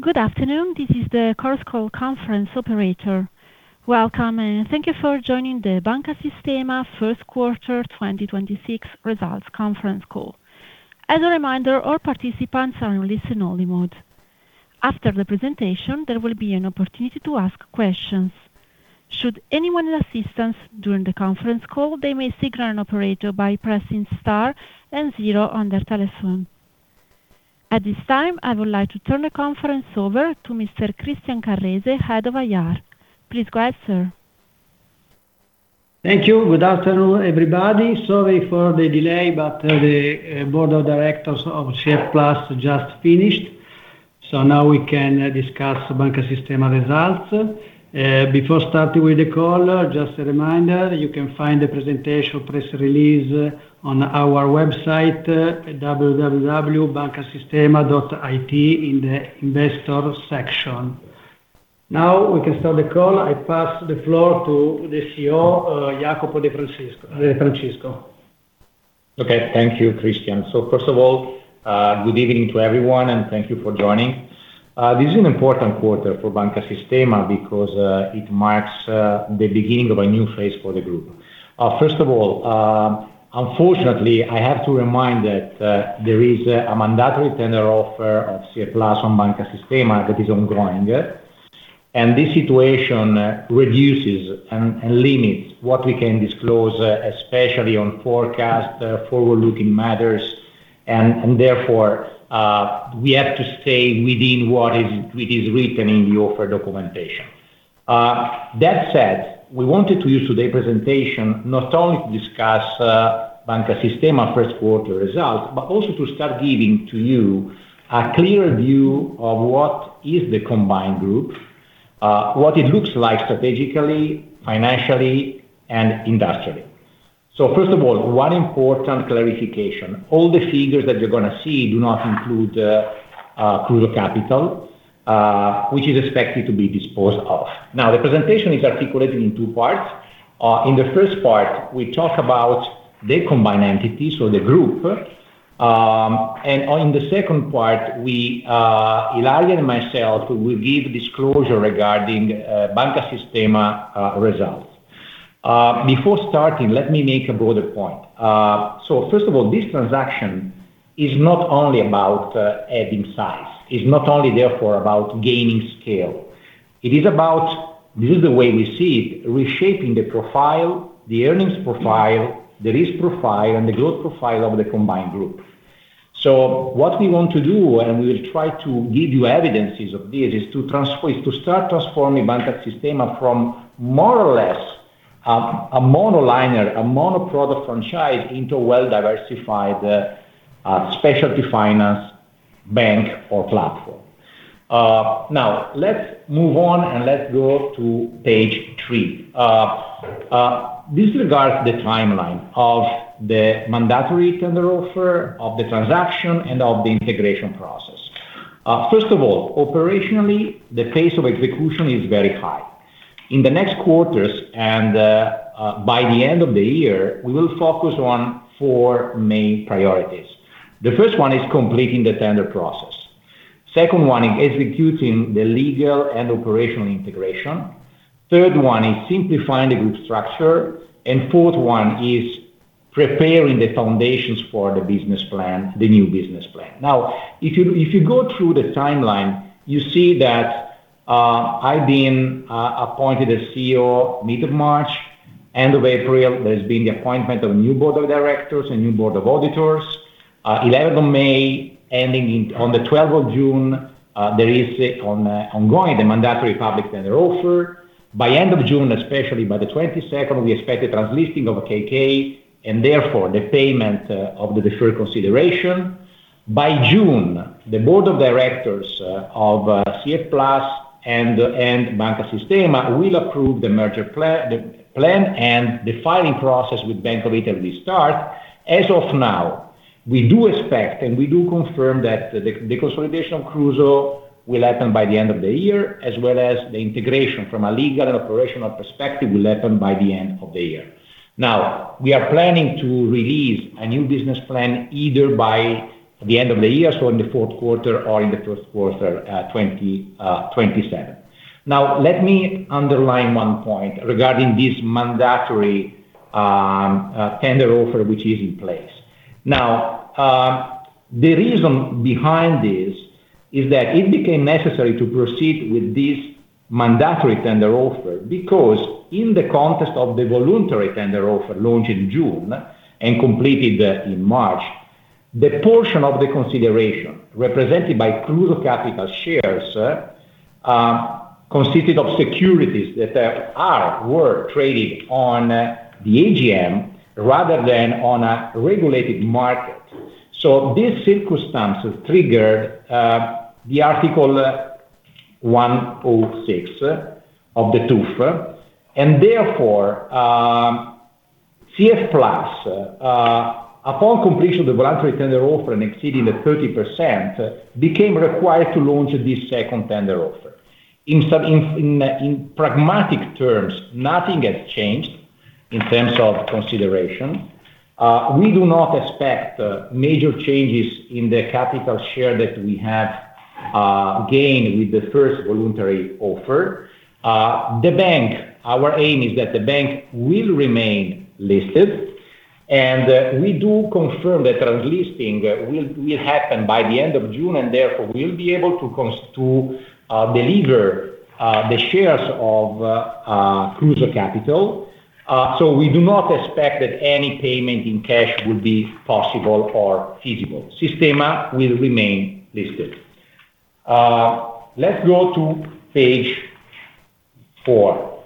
Good afternoon. This is the Chorus Call conference operator. Welcome, and thank you for joining the Banca Sistema first quarter 2026 results conference call. As a reminder, all participants are in listen-only mode. After the presentation, there will be an opportunity to ask questions. Should anyone need assistance during the conference call, they may signal an operator by pressing star and on their telephone. At this time, I would like to turn the conference over to Mr. Christian Carrese, Head of IR. Please go ahead, sir. Thank you. Good afternoon, everybody. Sorry for the delay, the board of directors of CF+ just finished. Now we can discuss Banca Sistema results. Before starting with the call, just a reminder, you can find the presentation press release on our website, www.bancasistema.it in the investor section. Now we can start the call. I pass the floor to the CEO, Iacopo De Francisco. Okay. Thank you, Christian. First of all, good evening to everyone, and thank you for joining. This is an important quarter for Banca Sistema because it marks the beginning of a new phase for the group. First of all, unfortunately, I have to remind that there is a mandatory tender offer of CF+ on Banca Sistema that is ongoing, and this situation reduces and limits what we can disclose, especially on forecast, forward-looking matters. Therefore, we have to stay within what is written in the offer documentation. That said, we wanted to use today presentation not only to discuss Banca Sistema first quarter results, but also to start giving to you a clearer view of what is the combined group, what it looks like strategically, financially, and industrially. First of all, one important clarification. All the figures that you're gonna see do not include Kruso Kapital, which is expected to be disposed of. The presentation is articulated in two parts. In the first part, we talk about the combined entities, so the group. And on the second part, we, Ilaria and myself will give disclosure regarding Banca Sistema results. Before starting, let me make a broader point. First of all, this transaction is not only about adding size. It's not only therefore about gaining scale. It is about, this is the way we see it, reshaping the profile, the earnings profile, the risk profile, and the growth profile of the combined group. What we want to do, and we will try to give you evidences of this, is to start transforming Banca Sistema from more or less a monoliner, a monoproduct franchise into a well-diversified specialty finance bank or platform. Now let's move on, and let's go to page three. This regards the timeline of the mandatory tender offer of the transaction and of the integration process. First of all, operationally, the pace of execution is very high. In the next quarters, and by the end of the year, we will focus on four main priorities. The first one is completing the tender process. Second one is executing the legal and operational integration. Third one is simplifying the group structure. Fourth one is preparing the foundations for the business plan, the new business plan. If you, if you go through the timeline, you see that I've been appointed as CEO mid-March. End-April, there's been the appointment of new board of directors, a new board of auditors. May 11, ending on June 12, there is ongoing the mandatory public tender offer. By end-June, especially by the 22nd, we expect the translisting of KK, and therefore the payment of the deferred consideration. By June, the board of directors of CF+ and Banca Sistema will approve the merger plan, and the filing process with Bank of Italy start. As of now, we do expect, and we do confirm that the consolidation of CF+ will happen by the end of the year, as well as the integration from a legal and operational perspective will happen by the end of the year. We are planning to release a new business plan either by the end of the year, so in the fourth quarter or in the first quarter, 2027. Let me underline one point regarding this mandatory tender offer, which is in place. The reason behind this is that it became necessary to proceed with this mandatory tender offer because in the context of the voluntary tender offer launched in June and completed in March, the portion of the consideration represented by Kruso Kapital shares consisted of securities that were traded on the EGM rather than on a regulated market. This circumstances triggered the Article 106 of the TUF. CF+, upon completion of the voluntary tender offer and exceeding the 30%, became required to launch this second tender offer. In pragmatic terms, nothing has changed. In terms of consideration. We do not expect major changes in the capital share that we have gained with the first voluntary offer. The bank, our aim is that the bank will remain listed, and we do confirm that translisting will happen by the end of June, and therefore, we'll be able to deliver the shares of Kruso Kapital. We do not expect that any payment in cash would be possible or feasible. Sistema will remain listed. Let's go to page four.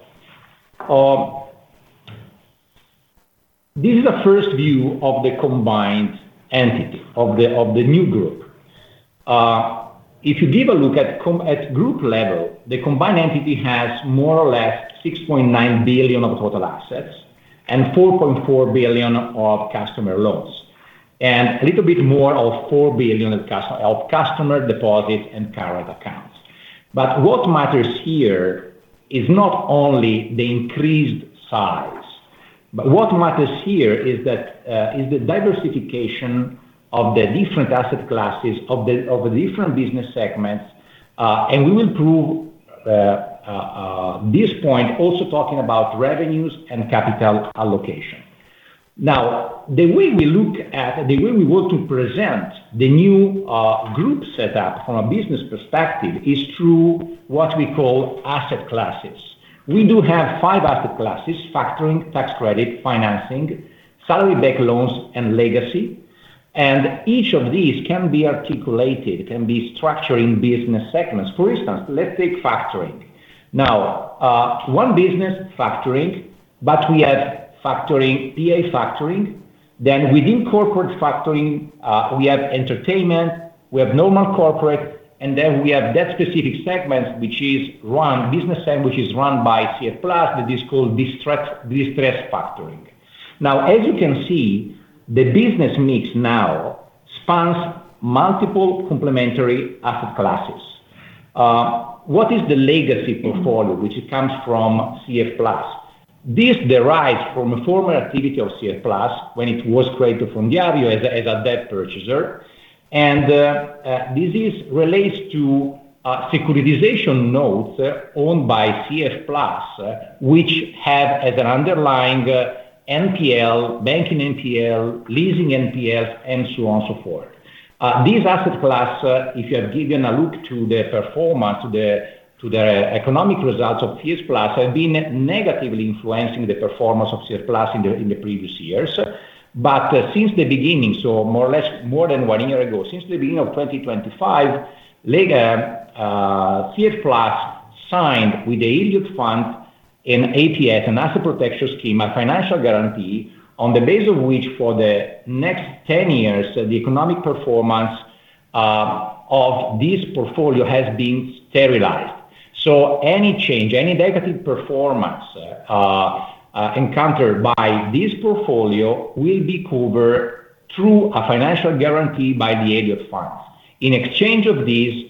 This is the first view of the combined entity of the new group. If you give a look at group level, the combined entity has more or less 6.9 billion of total assets and 4.4 billion of customer loans, and a little bit more of 4 billion of customer deposits and current accounts. What matters here is not only the increased size, what matters here is that is the diversification of the different asset classes of the different business segments. We will prove this point also talking about revenues and capital allocation. The way we want to present the new group set up from a business perspective is through what we call asset classes. We do have five asset classes: factoring, tax credit, financing, salary-backed loans, and legacy. Each of these can be structured in business segments. For instance, let's take factoring. One business, factoring, we have factoring, PA Factoring. Within corporate factoring, we have entertainment, we have normal corporate, and we have that specific business segment which is run by CF+, that is called distress factoring. As you can see, the business mix now spans multiple complementary asset classes. What is the legacy portfolio which comes from CF+? This derives from a former activity of CF+ when it was Credito Fondiario as a debt purchaser. This is relates to securitization notes owned by CF+, which have as an underlying NPL, banking NPL, leasing NPL, and so on and so forth. This asset class, if you have given a look to the performance, to the economic results of CF+, have been negatively influencing the performance of CF+ in the previous years. Since the beginning, so more or less more than one year ago, since the beginning of 2025, later, CF+ signed with the Elliott Fund an APS, an asset protection scheme, a financial guarantee, on the base of which for the next 10 years, the economic performance of this portfolio has been sterilized. Any change, any negative performance encountered by this portfolio will be covered through a financial guarantee by the Elliott Fund. In exchange of this,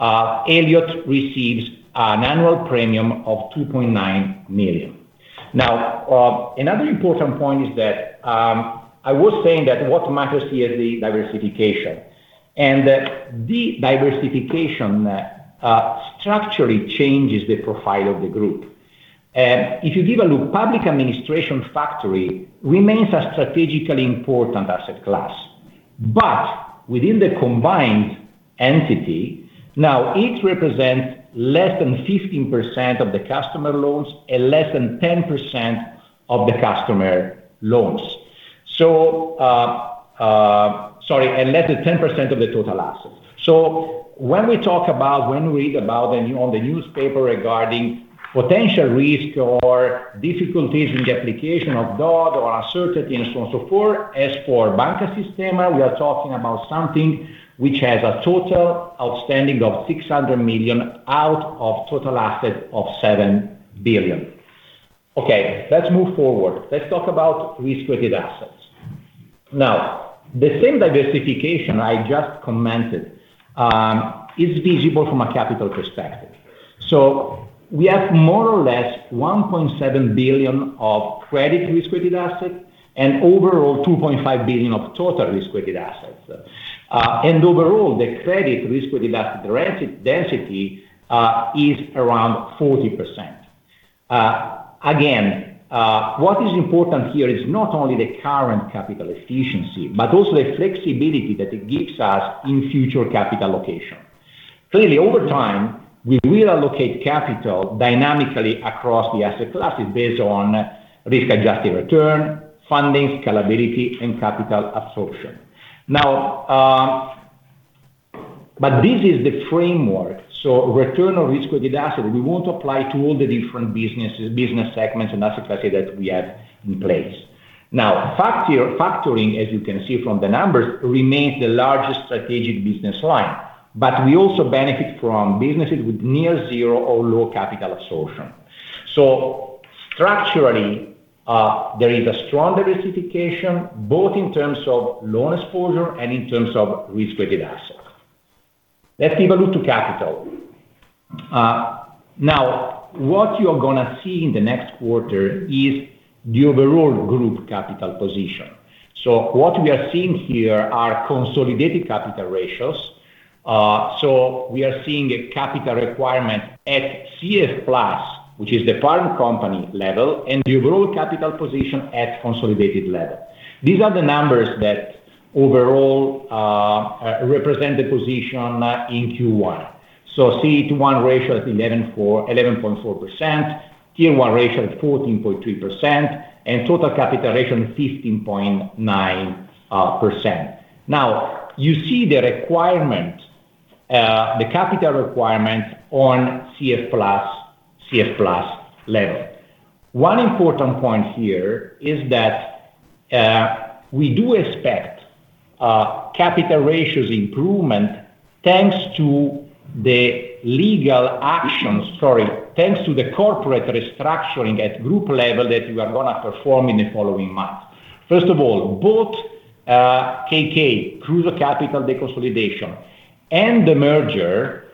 Elliott receives an annual premium of 2.9 million. Another important point is that I was saying that what matters here is the diversification, and the diversification structurally changes the profile of the group. If you give a look, PA Factoring remains a strategically important asset class. Within the combined entity, now it represents less than 15% of the customer loans and less than 10% of the customer loans. Sorry, and less than 10% of the total assets. When we read about the new on the newspaper regarding potential risk or difficulties in the application of DoD or uncertainty and so on and so forth, as for Banca Sistema, we are talking about something which has a total outstanding of 600 million out of total asset of 7 billion. Okay, let's move forward. Let's talk about risk-weighted assets. The same diversification I just commented is visible from a capital perspective. We have more or less 1.7 billion of credit risk-weighted assets and overall 2.5 billion of total risk-weighted assets. Overall, the credit risk-weighted asset density is around 40%. Again, what is important here is not only the current capital efficiency, but also the flexibility that it gives us in future capital allocation. Clearly, over time, we will allocate capital dynamically across the asset classes based on risk-adjusted return, funding, scalability, and capital absorption. This is the framework, return on risk-weighted asset, we want to apply to all the different businesses, business segments and asset classes that we have in place. Factoring, as you can see from the numbers, remains the largest strategic business line, but we also benefit from businesses with near zero or low capital absorption. Structurally, there is a strong diversification, both in terms of loan exposure and in terms of risk-weighted assets. Let's give a look to capital. What you're going to see in the next quarter is the overall group capital position. What we are seeing here are consolidated capital ratios. We are seeing a capital requirement at CF+, which is the parent company level, and the overall capital position at consolidated level. These are the numbers that overall represent the position in Q1. CET1 ratio is 11.4%. Tier 1 ratio is 14.3%, and total capital ratio 15.9%. You see the requirement, the capital requirement on CF+ level. One important point here is that we do expect capital ratios improvement thanks to the corporate restructuring at group level that we are going to perform in the following months. First of all, both, KK, Kruso Kapital deconsolidation, and the merger,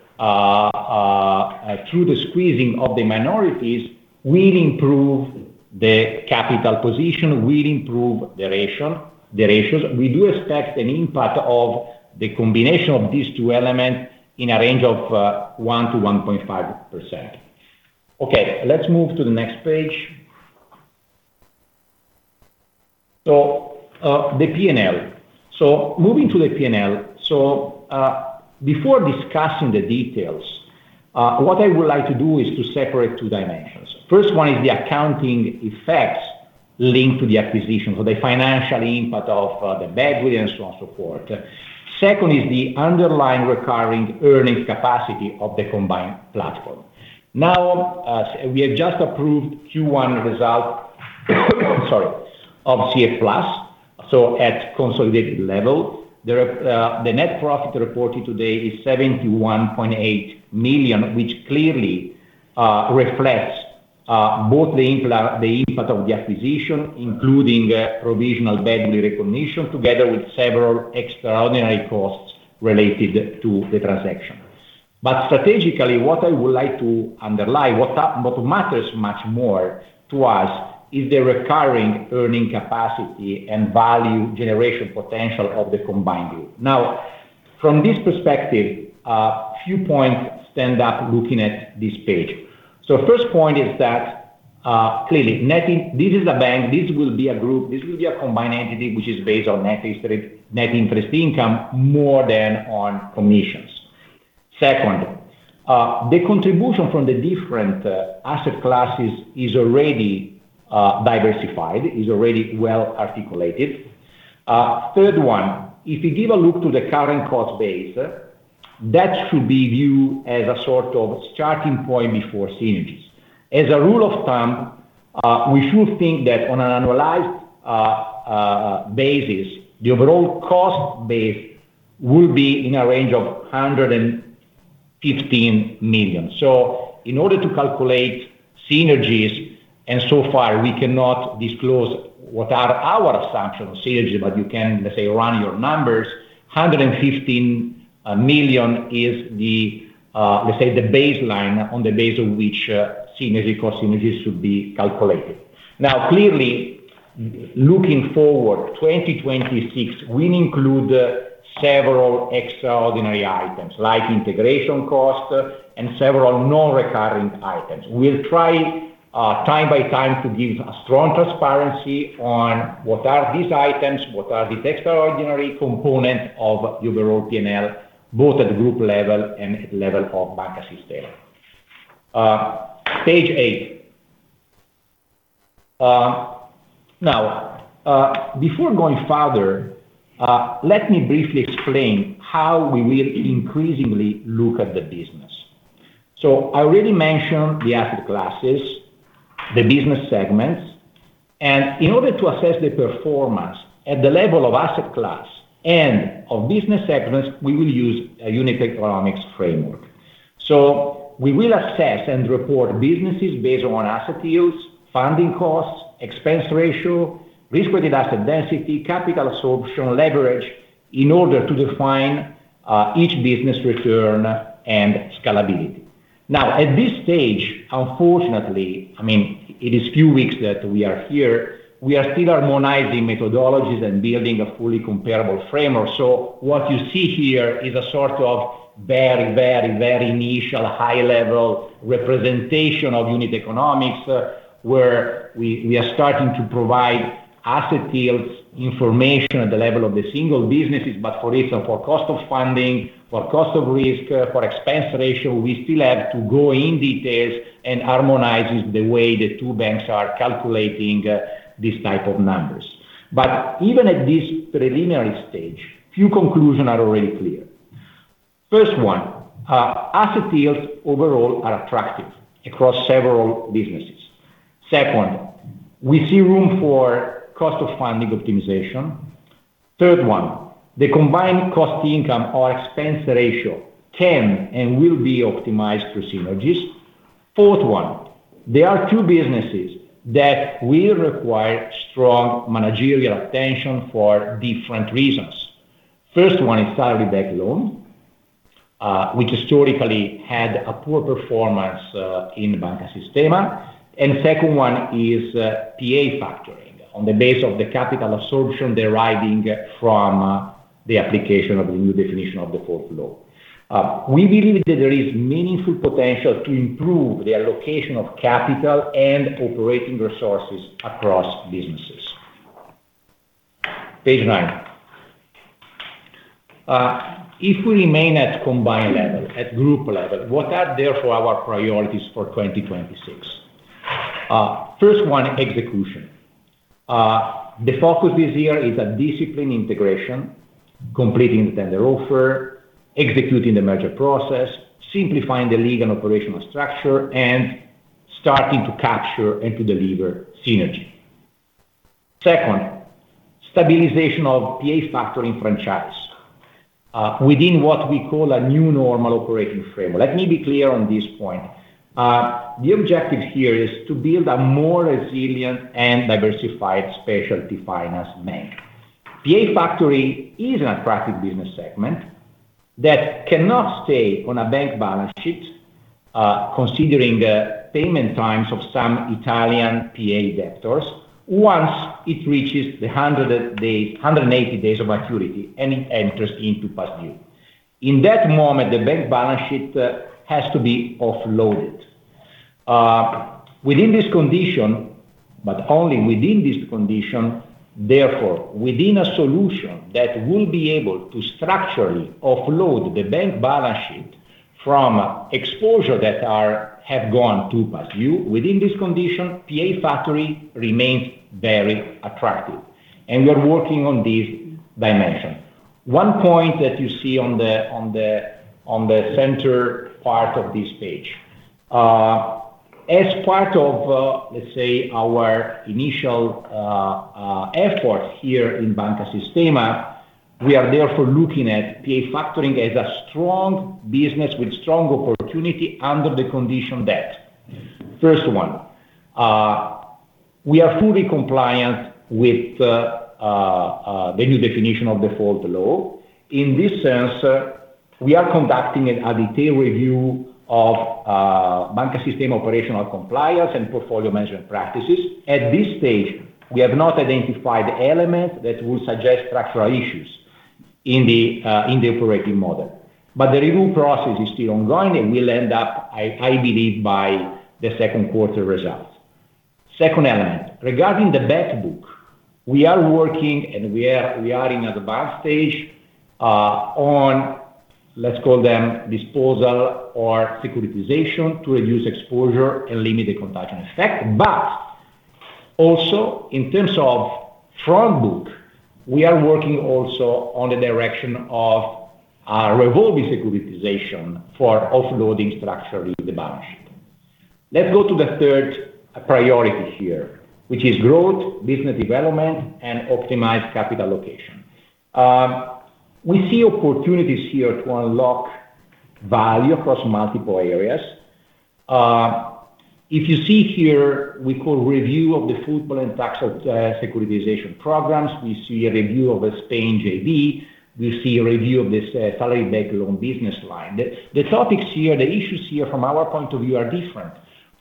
through the squeezing of the minorities will improve the capital position, will improve the ratio, the ratios. We do expect an impact of the combination of these two elements in a range of 1%-1.5%. Okay, let's move to the next page. The P&L. Moving to the P&L, before discussing the details, what I would like to do is to separate two dimensions. First one is the accounting effects linked to the acquisition. The financial impact of the badwill and so on, so forth. Second is the underlying recurring earnings capacity of the combined platform. Now, we have just approved Q1 result, sorry, of CF+, so at consolidated level. The net profit reported today is 71.8 million, which clearly reflects the impact of the acquisition, including provisional badwill recognition, together with several extraordinary costs related to the transaction. Strategically, what I would like to underline, what matters much more to us is the recurring earning capacity and value generation potential of the combined group. From this perspective, a few points stand out looking at this page. First point is that, clearly, This is a bank, this will be a group, this will be a combined entity which is based on net interest income more than on commissions. Second, the contribution from the different asset classes is already diversified, is already well articulated. Third one, if you give a look to the current cost base, that should be viewed as a sort of starting point before synergies. As a rule of thumb, we should think that on an annualized basis, the overall cost base will be in a range of 115 million. In order to calculate synergies, and so far we cannot disclose what are our assumptions of synergy, but you can, let's say, run your numbers, 115 million is the, let's say the baseline on the base of which, synergy, cost synergies should be calculated. Clearly, looking forward, 2026 will include several extraordinary items like integration cost and several non-recurring items. We'll try, time by time to give a strong transparency on what are these items, what are the extraordinary component of the overall P&L, both at group level and at level of Banca Sistema. Page eight. Before going further, let me briefly explain how we will increasingly look at the business. I already mentioned the asset classes, the business segments, and in order to assess the performance at the level of asset class and of business segments, we will use a unit economics framework. We will assess and report businesses based on asset yields, funding costs, expense ratio, risk-weighted asset density, capital absorption, leverage, in order to define each business return and scalability. At this stage, unfortunately, I mean, it is few weeks that we are here, we are still harmonizing methodologies and building a fully comparable framework. What you see here is a sort of very, very, very initial high-level representation of unit economics, where we are starting to provide asset yields information at the level of the single businesses. For instance, for cost of funding, for cost of risk, for expense ratio, we still have to go in detail and harmonize the way the two banks are calculating these type of numbers. Even at this preliminary stage, few conclusions are already clear. First one, asset yields overall are attractive across several businesses. Second one, we see room for cost of funding optimization. Third one, the combined cost income or expense ratio can and will be optimized through synergies. Fourth one, there are two businesses that will require strong managerial attention for different reasons. First one is salary-backed loan, which historically had a poor performance in Banca Sistema. Second one is PA Factoring on the base of the capital absorption deriving from the application of the New Definition of Default. We believe that there is meaningful potential to improve the allocation of capital and operating resources across businesses. Page nine. If we remain at combined level, at group level, what are therefore our priorities for 2026? First one, execution. The focus this year is a disciplined integration, completing the tender offer, executing the merger process, simplifying the legal and operational structure, and starting to capture and to deliver synergy. Second, stabilization of PA Factoring franchise, within what we call a new normal operating framework. Let me be clear on this point. The objective here is to build a more resilient and diversified specialty finance bank. PA Factoring is an attractive business segment that cannot stay on a bank balance sheet, considering the payment times of some Italian PA debtors once it reaches the 100 day 180 days of maturity, and it enters into past due. In that moment, the bank balance sheet has to be offloaded. Within this condition, but only within this condition, therefore within a solution that will be able to structurally offload the bank balance sheet from exposure that are have gone to past due. Within this condition, PA Factoring remains very attractive, and we are working on this dimension. One point that you see on the center part of this page. As part of, let's say, our initial effort here in Banca Sistema, we are therefore looking at PA Factoring as a strong business with strong opportunity under the condition that, first one, we are fully compliant with the New Definition of Default law. In this sense, we are conducting a detailed review of Banca Sistema operational compliance and portfolio management practices. At this stage, we have not identified elements that would suggest structural issues in the operating model. The review process is still ongoing, and will end up, I believe, by the second quarter results. Second element, regarding the bad book, we are working and we are in advanced stage on, let's call them disposal or securitization to reduce exposure and limit the contagion effect. Also in terms of front book, we are working also on the direction of revolving securitization for offloading structurally the balance sheet. Let's go to the third priority here, which is growth, business development, and optimized capital allocation. We see opportunities here to unlock value across multiple areas. If you see here, we call review of the full blown tax securitization programs. We see a review of a Spain JV. We see a review of this salary-backed loan business line. The topics here, the issues here from our point of view are different.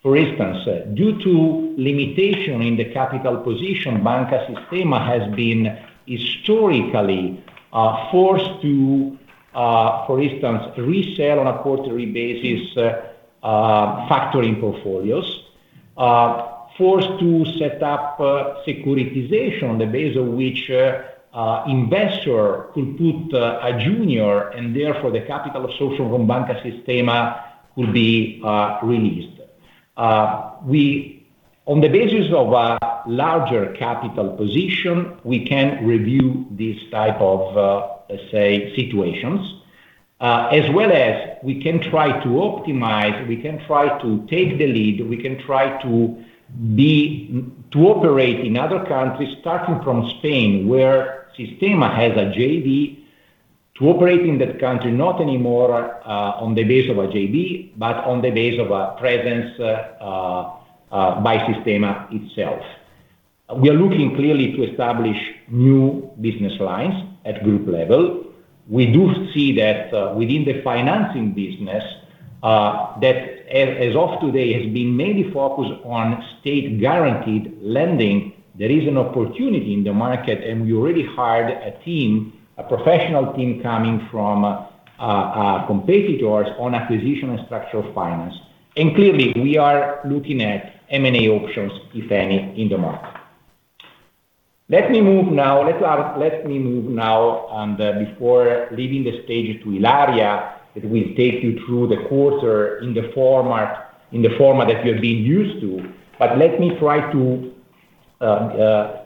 For instance, due to limitation in the capital position, Banca Sistema has been historically forced to, for instance, resell on a quarterly basis factoring portfolios. Forced to set up securitization on the base of which investor could put a junior, and therefore the capital of social from Banca Sistema could be released. On the basis of a larger capital position, we can review this type of, let's say, situations. As well as we can try to optimize, we can try to take the lead, we can try to operate in other countries, starting from Spain, where Sistema has a JV to operate in that country, not anymore on the base of a JV, but on the base of a presence by Sistema itself. We are looking clearly to establish new business lines at group level. We do see that within the financing business that as of today has been mainly focused on state-guaranteed lending. There is an opportunity in the market, we already hired a team, a professional team coming from competitors on acquisition and structural finance. Clearly, we are looking at M&A options, if any, in the market. Let me move now on the before leaving the stage to Ilaria, that will take you through the quarter in the format, in the format that you've been used to. Let me try to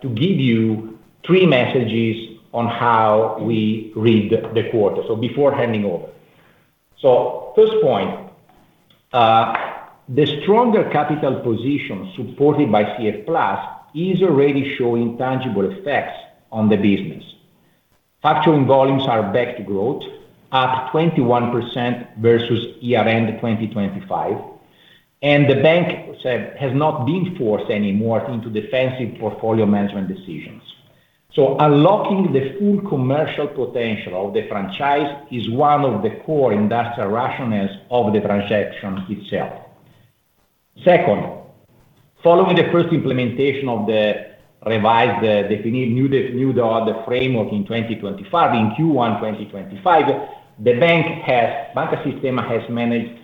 give you three messages on how we read the quarter. Before handing over. First point, the stronger capital position supported by CF+ is already showing tangible effects on the business. Factoring volumes are back to growth, up 21% versus year-end 2025, the bank has not been forced anymore into defensive portfolio management decisions. Unlocking the full commercial potential of the franchise is one of the core industrial rationales of the transaction itself. Second, following the first implementation of the revised, the new framework in 2025, in Q1 2025, Banca Sistema has managed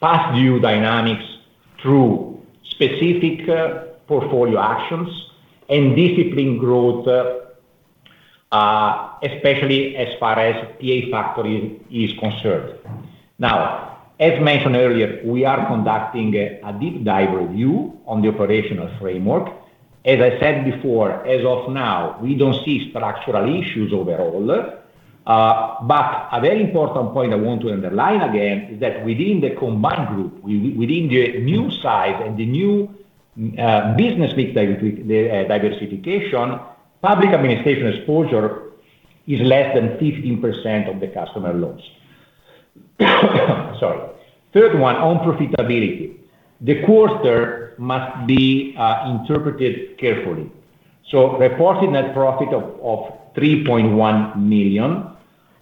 past due dynamics through specific portfolio actions and disciplined growth, especially as far as PA Factoring is concerned. As mentioned earlier, we are conducting a deep dive review on the operational framework. As I said before, as of now, we don't see structural issues overall. A very important point I want to underline again is that within the combined group, within the new size and the new business diversification, public administration exposure is less than 15% of the customer loans. Sorry. Third one, on profitability. The quarter must be interpreted carefully. Reported net profit of 3.1 million,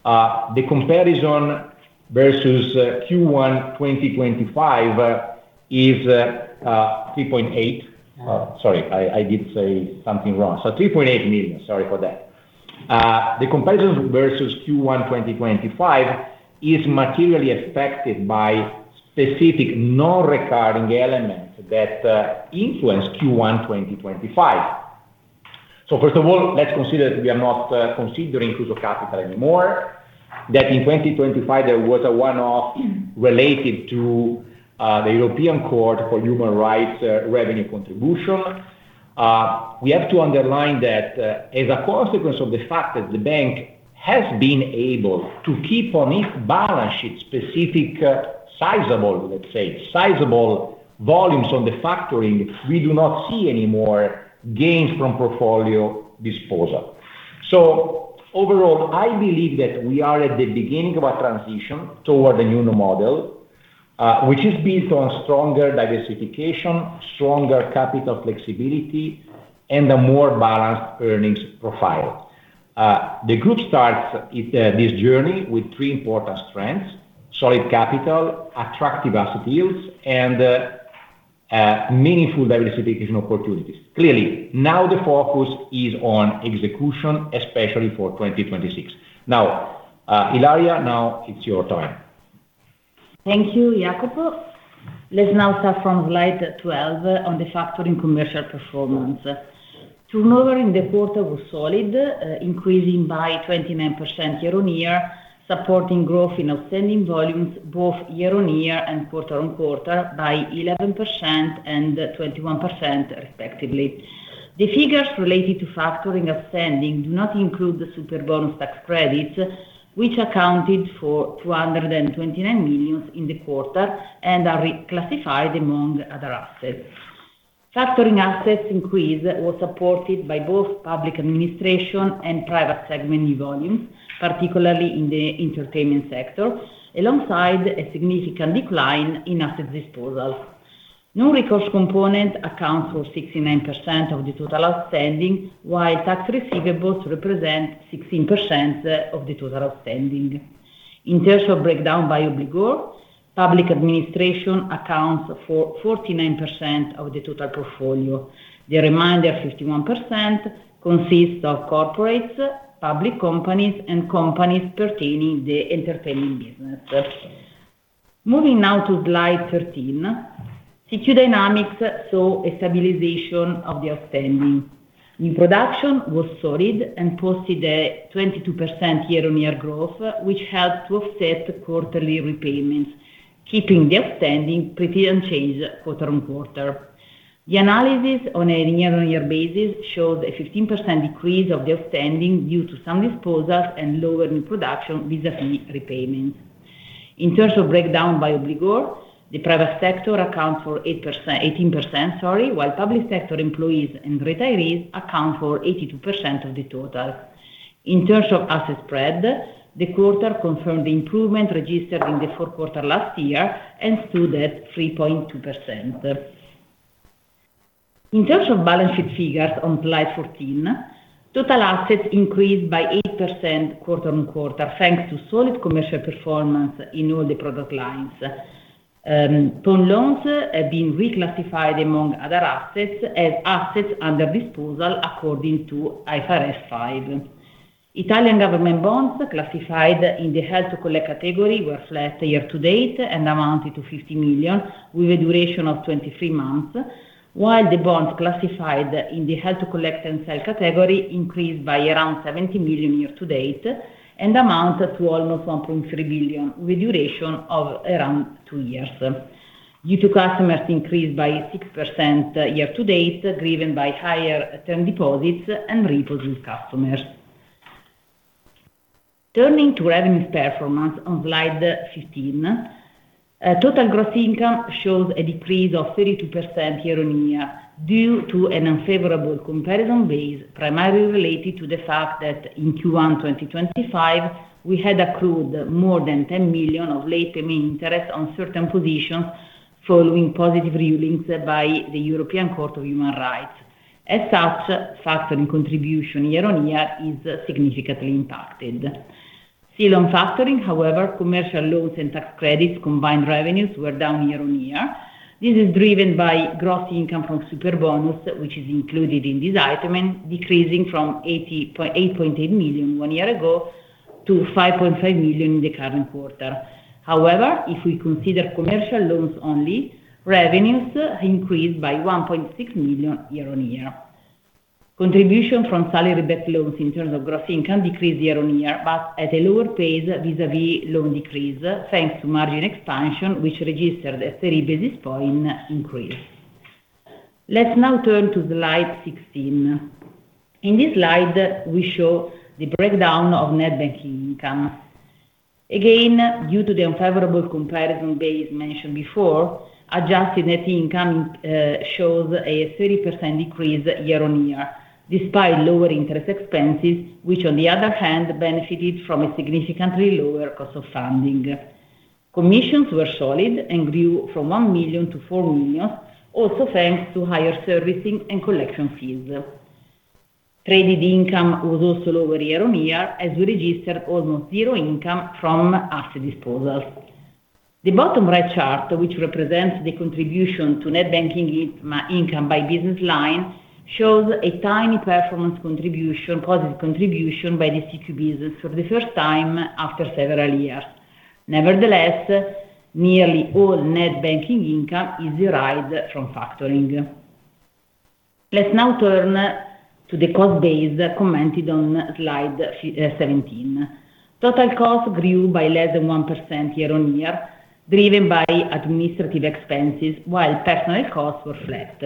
the comparison versus Q1 2025 is 3.8. Sorry, I did say something wrong. 3.8 million, sorry for that. The comparison versus Q1 2025 is materially affected by specific non-recurring elements that influenced Q1 2025. First of all, let's consider we are not considering Kruso Kapital anymore. That in 2025 there was a one-off related to the European Court of Human Rights revenue contribution. We have to underline that, as a consequence of the fact that the bank has been able to keep on its balance sheet specific sizable, let's say, sizable volumes on the factoring, we do not see any more gains from portfolio disposal. Overall, I believe that we are at the beginning of a transition toward a new model, which is based on stronger diversification, stronger capital flexibility, and a more balanced earnings profile. The group starts it, this journey with three important strengths: solid capital, attractive asset yields, and meaningful diversification opportunities. Clearly, now the focus is on execution, especially for 2026. Now, Ilaria, now it's your turn. Thank you, Iacopo. Let's now start from slide 12 on the factoring commercial performance. Turnover in the quarter was solid, increasing by 29% year-over-year, supporting growth in outstanding volumes both year-over-year and quarter-over-quarter by 11% and 21% respectively. The figures related to factoring outstanding do not include the Superbonus tax credits, which accounted for 229 million in the quarter and are reclassified among other assets. Factoring assets increase was supported by both Public Administration and private segment new volumes, particularly in the entertainment sector, alongside a significant decline in asset disposals. Non-recourse component accounts for 69% of the total outstanding, while tax receivables represent 16% of the total outstanding. In terms of breakdown by obligor, Public Administration accounts for 49% of the total portfolio. The remainder, 51%, consists of corporates, public companies, and companies pertaining the entertainment business. Moving now to slide 13. CQS dynamics saw a stabilization of the outstanding. New production was solid and posted a 22% year-on-year growth, which helped to offset quarterly repayments, keeping the outstanding pretty unchanged quarter-on-quarter. The analysis on a year-on-year basis shows a 15% decrease of the outstanding due to some disposals and lower new production vis-à-vis repayments. In terms of breakdown by obligor, the private sector accounts for 18%, sorry, while public sector employees and retirees account for 82% of the total. In terms of asset spread, the quarter confirmed the improvement registered in the fourth quarter last year and stood at 3.2%. In terms of balance sheet figures on slide 14, total assets increased by 8% quarter-on-quarter, thanks to solid commercial performance in all the product lines. Loan loans have been reclassified among other assets as assets under disposal according to IFRS five. Italian government bonds classified in the held-to-collect category were flat year-to-date and amounted to 50 million, with a duration of 23 months. While the bonds classified in the held-to-collect-and-sell category increased by around 70 million year-to-date and amount to almost 1.3 billion, with duration of around two years. Due to customers increased by 6% year-to-date, driven by higher term deposits and repos with customers. Turning to revenue performance on slide 15, total gross income shows a decrease of 32% year-on-year due to an unfavorable comparison base primarily related to the fact that in Q1 2025, we had accrued more than 10 million of Late Payment Interest on certain positions following positive rulings by the European Court of Human Rights. Factoring contribution year-on-year is significantly impacted. Still on factoring, however, commercial loans and tax credits combined revenues were down year-on-year. This is driven by gross income from Superbonus, which is included in this item, and decreasing from 8.8 million one year ago to 5.5 million in the current quarter. If we consider commercial loans only, revenues increased by 1.6 million year-on-year. Contribution from salary-backed loans in terms of gross income decreased year-on-year, but at a lower pace vis-à-vis loan decrease, thanks to margin expansion, which registered a 3 basis point increase. Let's now turn to slide 16. In this slide, we show the breakdown of net banking income. Due to the unfavorable comparison base mentioned before, adjusted net income shows a 30% decrease year-on-year, despite lower interest expenses, which on the other hand benefited from a significantly lower cost of funding. Commissions were solid and grew from 1 million to 4 million, also thanks to higher servicing and collection fees. Traded income was also lower year-on-year, as we registered almost zero income from asset disposals. The bottom right chart, which represents the contribution to net banking income by business line, shows a tiny performance contribution, positive contribution by the CQS business for the first time after several years. Nevertheless, nearly all net banking income is derived from factoring. Let's now turn to the cost base commented on slide 17. Total cost grew by less than 1% year on year, driven by administrative expenses, while personnel costs were flat.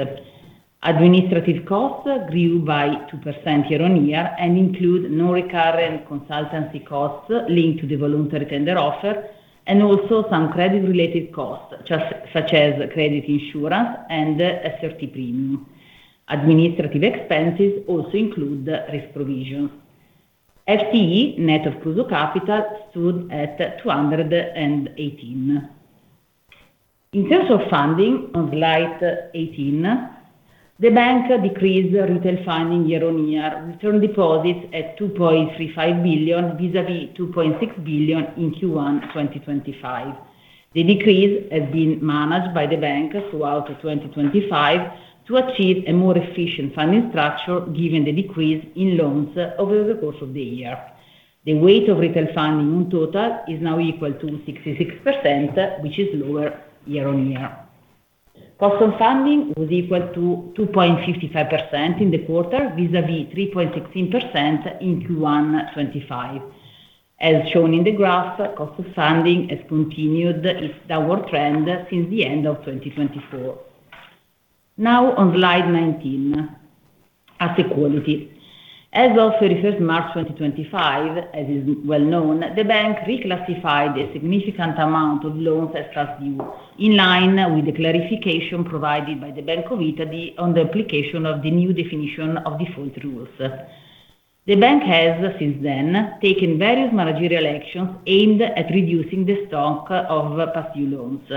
Administrative costs grew by 2% year on year and include non-recurrent consultancy costs linked to the voluntary tender offer, and also some credit-related costs, just such as credit insurance and SRT premium. Administrative expenses also include risk provision. FTE net of Kruso Kapital stood at 218. In terms of funding on slide 18, the bank decreased retail funding year-on-year, return deposits at 2.35 billion vis-à-vis 2.6 billion in Q1 2025. The decrease has been managed by the bank throughout 2025 to achieve a more efficient funding structure given the decrease in loans over the course of the year. The weight of retail funding in total is now equal to 66%, which is lower year-on-year. Cost of funding was equal to 2.55% in the quarter vis-à-vis 3.16% in Q1 2025. As shown in the graph, cost of funding has continued its downward trend since the end of 2024. Now on slide 19, asset quality. As of March 31st, 2025, as is well known, the bank reclassified a significant amount of loans as past due, in line with the clarification provided by the Bank of Italy on the application of the New Definition of Default rules. The bank has since then taken various managerial actions aimed at reducing the stock of past due loans.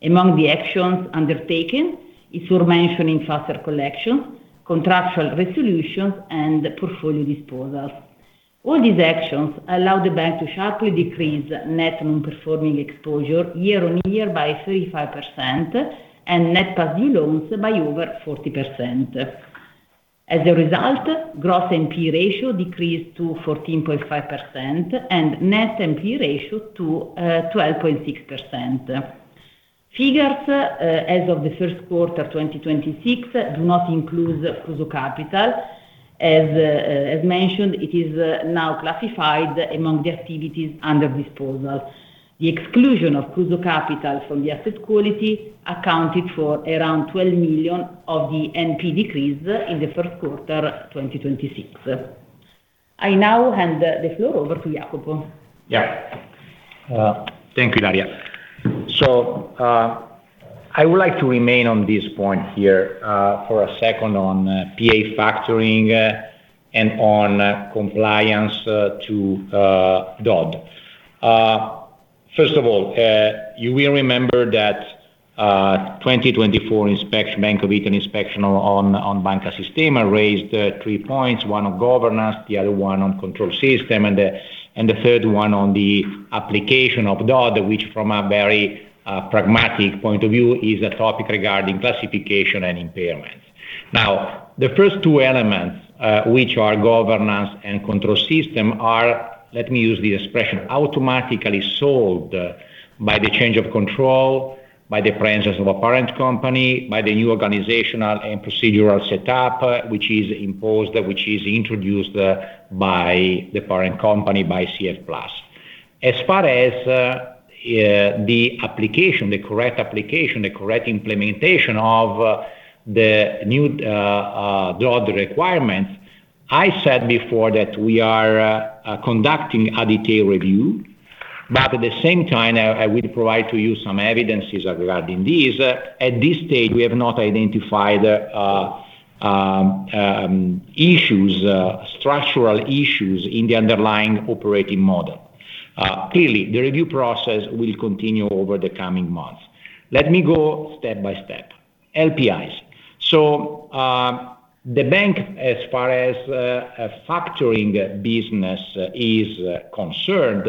Among the actions undertaken is aforementioned faster collection, contractual resolutions, and portfolio disposals. All these actions allow the bank to sharply decrease net non-performing exposure year-over-year by 35% and net past due loans by over 40%. As a result, gross NPE ratio decreased to 14.5% and net NPE ratio to 12.6%. Figures as of the first quarter 2026 do not include Kruso Kapital. As mentioned, it is now classified among the activities under disposal. The exclusion of Kruso Kapital from the asset quality accounted for around 12 million of the NP decrease in the first quarter 2026. I now hand the floor over to Iacopo. Yeah. Thank you, Ilaria. I would like to remain on this point here for a second on PA Factoring and on compliance to DoD. First of all, you will remember that 2024 inspection Bank of Italy inspection on Banca Sistema raised three points, one on governance, the other one on control system, and the third one on the application of DoD, which from a very pragmatic point of view is a topic regarding classification and impairment. The first two elements, which are governance and control system are, let me use the expression, automatically solved by the change of control, by the presence of a parent company, by the new organizational and procedural setup, which is imposed, which is introduced by the parent company, by CF+. As far as the application, the correct application, the correct implementation of the new law, the requirements, I said before that we are conducting a detailed review. At the same time, I will provide to you some evidences regarding these. At this stage, we have not identified issues, structural issues in the underlying operating model. Clearly, the review process will continue over the coming months. Let me go step by step. LPIs. The bank, as far as a factoring business is concerned,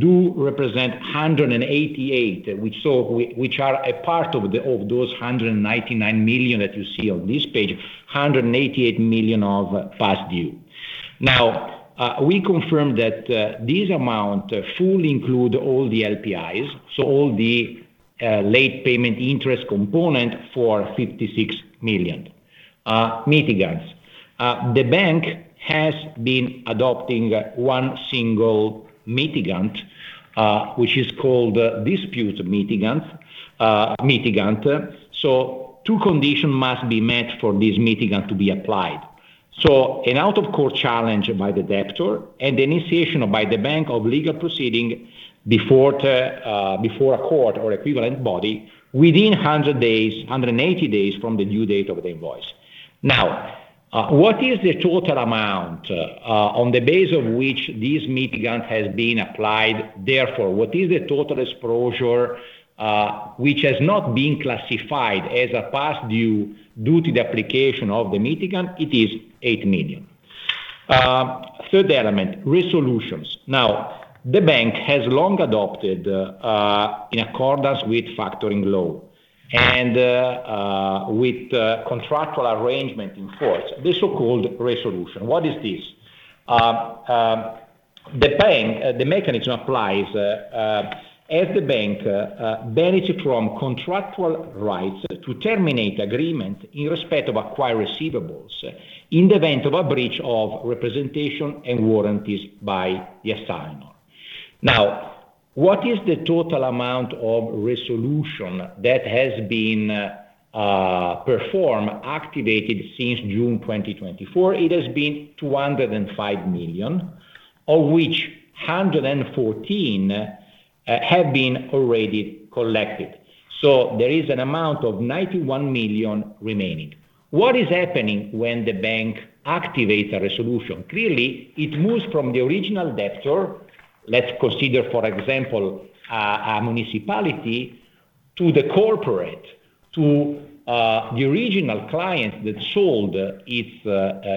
do represent 188 million, which are a part of the, of those 199 million that you see on this page, 188 million of past due. We confirm that this amount fully include all the LPIs, so all the Late Payment Interest component for 56 million. Mitigants. The bank has been adopting one single mitigant, which is called dispute mitigant. Two conditions must be met for this mitigant to be applied. An out-of-court challenge by the debtor and initiation by the bank of legal proceeding before the before a court or equivalent body within 100 days, 180 days from the new date of the invoice. What is the total amount on the basis of which this mitigant has been applied, therefore, what is the total exposure which has not been classified as a past due due to the application of the mitigant? It is 8 million. Third element, resolutions. The bank has long adopted, in accordance with factoring law and with contractual arrangement in force, the so-called resolution. What is this? The bank, the mechanism applies as the bank benefit from contractual rights to terminate agreement in respect of acquired receivables in the event of a breach of representation and warranties by the assignor. What is the total amount of resolution that has been performed, activated since June 2024? It has been 205 million, of which 114 million have been already collected. There is an amount of 91 million remaining. What is happening when the bank activates a resolution? Clearly, it moves from the original debtor. Let's consider, for example, a municipality to the corporate, to the original client that sold its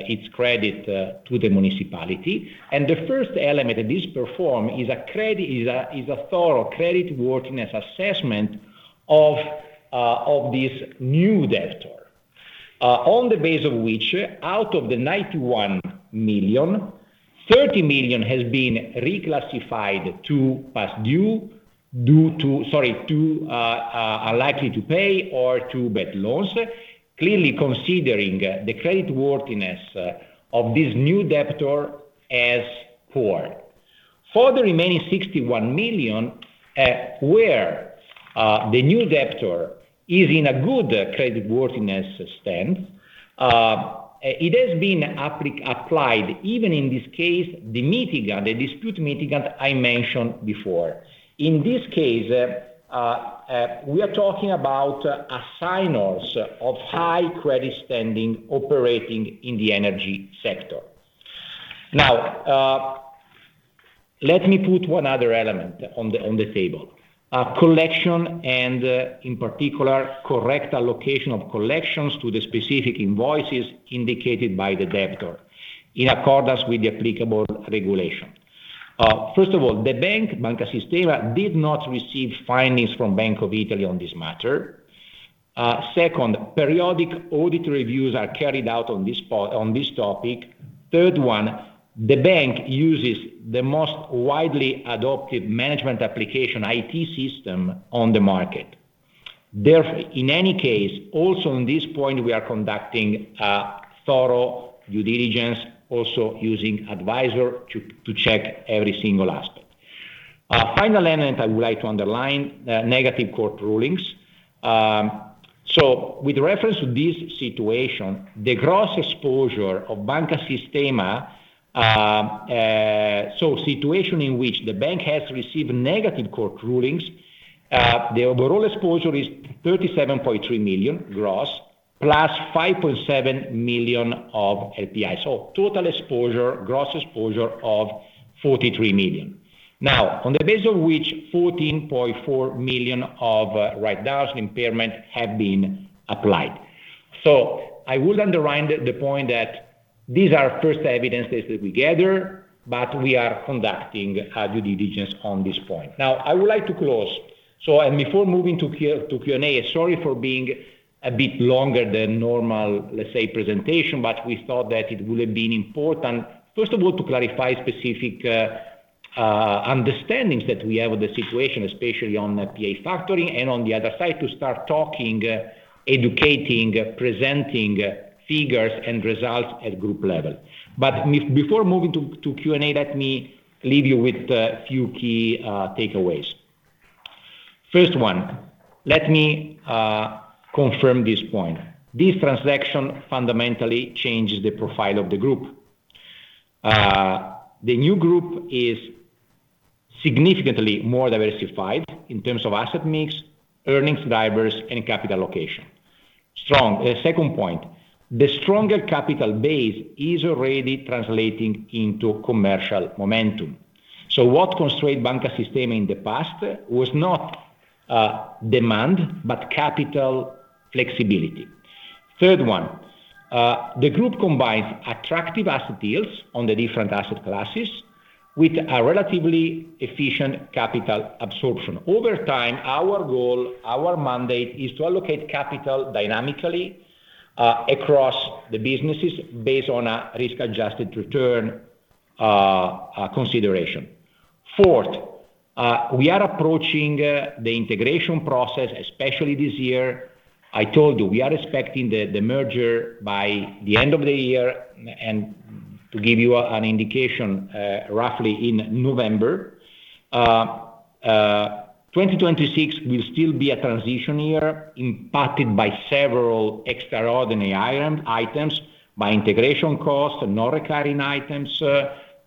its credit to the municipality. The first element that this perform is a credit, is a thorough credit worthiness assessment of this new debtor. On the base of which, out of the 91 million, 30 million has been reclassified to past due to unlikely to pay or to bad loans, clearly considering the credit worthiness of this new debtor as poor. For the remaining 61 million, where the new debtor is in a good credit worthiness stand, it has been applied, even in this case, the mitigant, the dispute mitigant I mentioned before. In this case, we are talking about assignors of high credit standing operating in the energy sector. Now, let me put one other element on the table. Collection and, in particular, correct allocation of collections to the specific invoices indicated by the debtor in accordance with the applicable regulation. First of all, the bank, Banca Sistema, did not receive findings from Bank of Italy on this matter. Second, periodic audit reviews are carried out on this part, on this topic. Third one, the bank uses the most widely adopted management application IT system on the market. In any case, also on this point, we are conducting a thorough due diligence, also using advisor to check every single aspect. Final element I would like to underline, negative court rulings. With reference to this situation, the gross exposure of Banca Sistema, situation in which the bank has received negative court rulings, the overall exposure is 37.3 million gross, plus 5.7 million of LPIs. Total exposure, gross exposure of 43 million. On the base of which, 14.4 million of write-downs impairment have been applied. I will underline the point that these are first evidences that we gather, but we are conducting a due diligence on this point. I would like to close. Before moving to Q&A, sorry for being a bit longer than normal, let's say, presentation, but we thought that it would have been important, first of all, to clarify specific understandings that we have with the situation, especially on the PA Factoring, and on the other side, to start talking, educating, presenting figures and results at group level. Before moving to Q&A, let me leave you with a few key takeaways. First one, let me confirm this point. This transaction fundamentally changes the profile of the group. The new group is significantly more diversified in terms of asset mix, earnings diverse, and capital location. Strong. Second point, the stronger capital base is already translating into commercial momentum. What constrained Banca Sistema in the past was not demand, but capital flexibility. Third one, the group combines attractive asset deals on the different asset classes with a relatively efficient capital absorption. Over time, our goal, our mandate, is to allocate capital dynamically across the businesses based on a risk-adjusted return consideration. Fourth, we are approaching the integration process, especially this year. I told you, we are expecting the merger by the end of the year, and to give you an indication, roughly in November. 2026 will still be a transition year impacted by several extraordinary items, by integration costs, non-recurring items,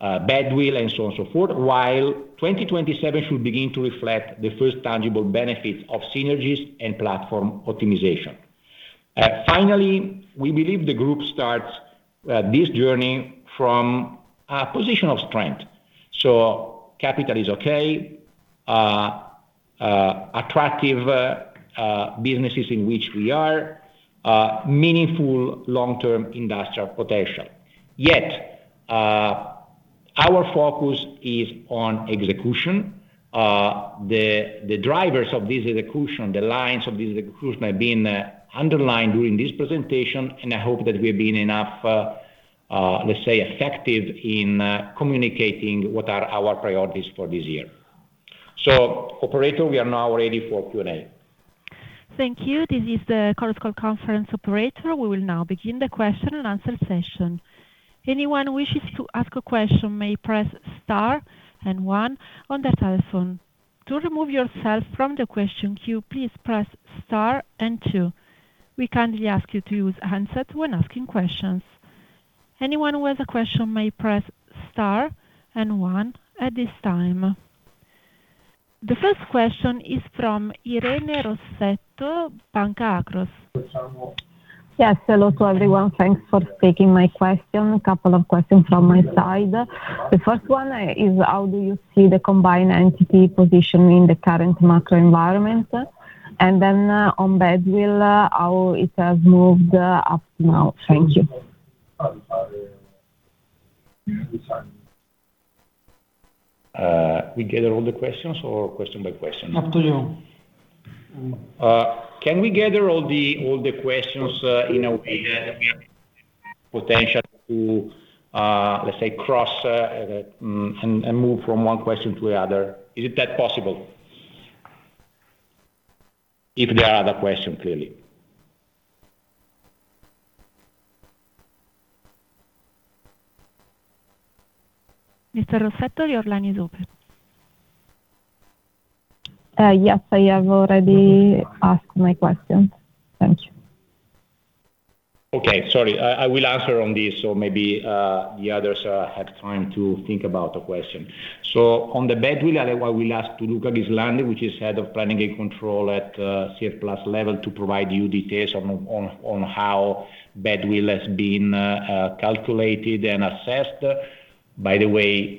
badwill, and so on, so forth, while 2027 should begin to reflect the first tangible benefits of synergies and platform optimization. Finally, we believe the group starts this journey from a position of strength. Capital is okay. Attractive businesses in which we are. meaningful long-term industrial potential. Yet, our focus is on execution. The drivers of this execution, the lines of this execution have been underlined during this presentation, and I hope that we have been enough, let's say, effective in communicating what are our priorities for this year. Operator, we are now ready for Q&A. Thank you. This is the chorus call conference operator. We will now begin the question and answer session. Anyone wishes to ask a question may press star and one on their telephone. To remove yourself from the question queue, please press star and two. We kindly ask you to use handset when asking questions. Anyone who has a question may press star and one at this time. The first question is from Irene Rossetto, Banca Akros. Yes. Hello to everyone. Thanks for taking my question. A couple of questions from my side. The first one is how do you see the combined entity position in the current macro environment? On badwill, how it has moved up now. Thank you. We gather all the questions or question by question? Up to you. Can we gather all the questions, in a way that we have potential to, let's say, cross, and move from one question to the other? Is that possible? If there are other questions, clearly. Mr. Rossetto, your line is open. Yes. I have already asked my question. Thank you. Okay. Sorry. I will answer on this, maybe the others have time to think about the question. On the badwill, otherwise we will ask to Luca Viganò, which is Head of Planning and Control at CF+ level, to provide you details on how badwill has been calculated and assessed. By the way,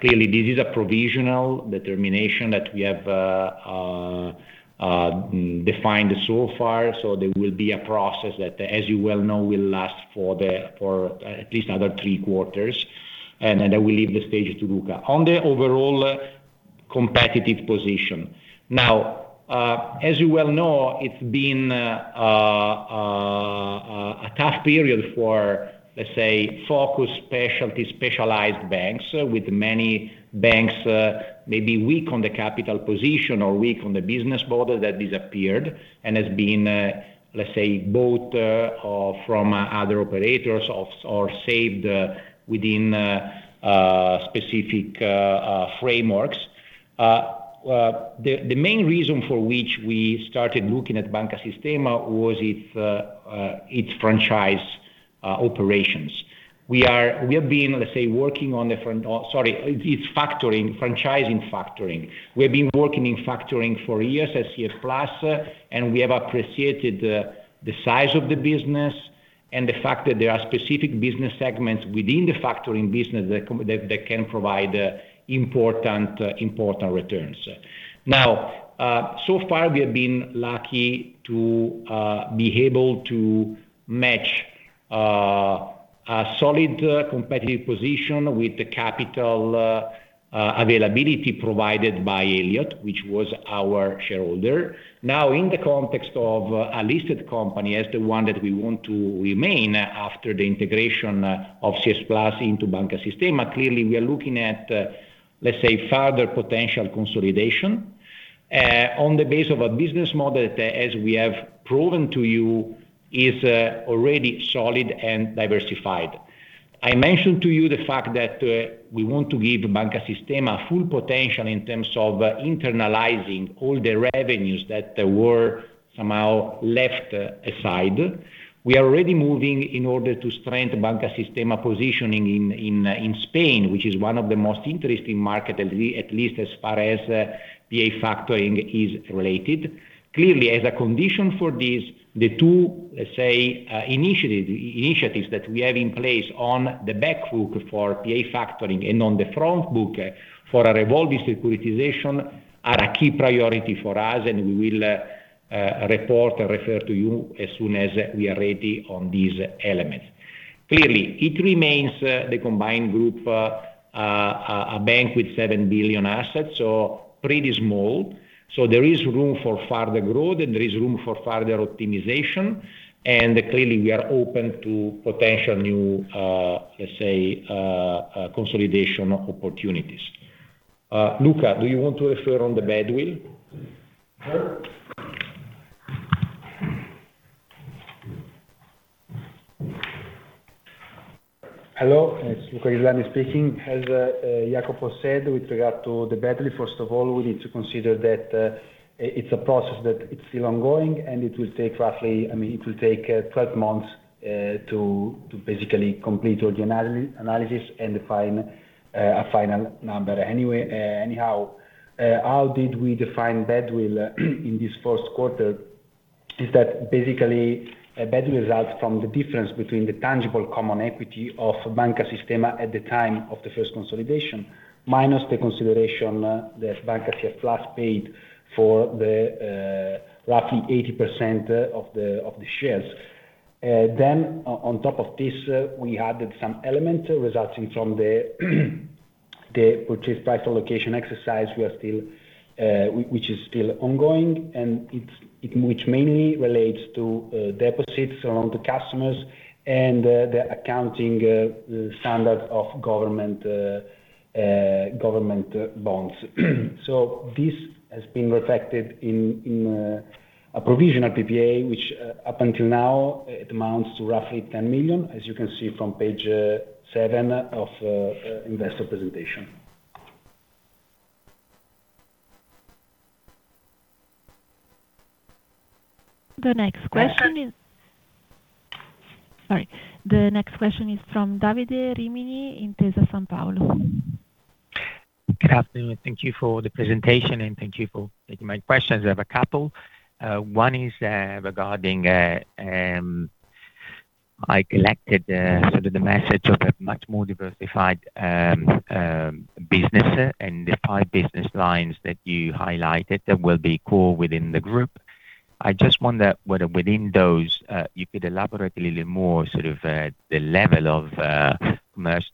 clearly this is a provisional determination that we have defined so far. There will be a process that, as you well know, will last for at least another three quarters. Then I will leave the stage to Luca. On the overall competitive position. Now, as you well know, it's been a tough period for, let's say, focused specialty specialized banks, with many banks, maybe weak on the capital position or weak on the business model that disappeared and has been, let's say, bought or from other operators or saved within specific frameworks. The main reason for which we started looking at Banca Sistema was its franchise operations. We have been, let's say, working on different Oh, sorry, it's factoring, franchising factoring. We've been working in factoring for years at CF+, and we have appreciated the size of the business and the fact that there are specific business segments within the factoring business that can provide important returns. So far, we have been lucky to be able to match a solid competitive position with the capital availability provided by Elliott, which was our shareholder. In the context of a listed company, as the one that we want to remain after the integration of CF+ into Banca Sistema, clearly we are looking at, let's say, further potential consolidation on the base of a business model that as we have proven to you is already solid and diversified. I mentioned to you the fact that we want to give Banca Sistema full potential in terms of internalizing all the revenues that there were somehow left aside. We are already moving in order to strengthen Banca Sistema positioning in Spain, which is one of the most interesting market at least as far as PA Factoring is related. As a condition for this, the two, let's say, initiatives that we have in place on the back book for PA Factoring and on the front book for a revolving securitization are a key priority for us, and we will report and refer to you as soon as we are ready on these elements. It remains the combined group a bank with 7 billion assets, so pretty small. There is room for further growth, and there is room for further optimization, we are open to potential new consolidation opportunities. Luca, do you want to refer on the badwill? Sure. Hello, it's Luca Viganò speaking. As Iacopo said with regard to the badwill, first of all, we need to consider that it's a process that it's still ongoing, and it will take roughly 12 months to basically complete all the analysis and define a final number. How did we define badwill in this first quarter is that basically a badwill results from the difference between the tangible common equity of Banca Sistema at the time of the first consolidation, minus the consideration that Banca CF+ paid for the roughly 80% of the shares. On top of this, we added some element resulting from the Purchase Price Allocation exercise. We are still, which is still ongoing, and which mainly relates to deposits around the customers and the accounting standard of government government bonds. This has been reflected in a provisional PPA, which up until now, it amounts to roughly 10 million, as you can see from page seven of investor presentation. The next question is Sorry. The next question is from Davide Rimini, Intesa Sanpaolo. Good afternoon. Thank you for the presentation, and thank you for taking my questions. I have a couple. One is regarding, I collected sort of the message of a much more diversified business and the five business lines that you highlighted that will be core within the group. I just wonder whether within those, you could elaborate a little more sort of the level of most